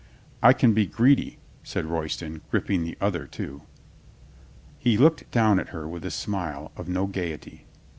"I can be greedy," said Royston, gripping the other, too. He looked down at her with a smile of no gaiety.